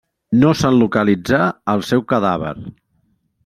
No se'n localitzà el seu cadàver.